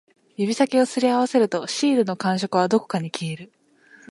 指先を擦り合わせると、シールの感触はどこかに消える